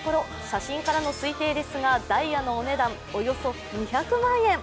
写真からの推定ですがダイヤのお値段、およそ２００万円。